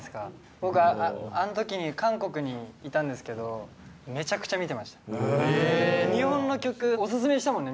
僕あの時に韓国にいたんですけどめちゃくちゃ見てました日本の曲お薦めしたもんね？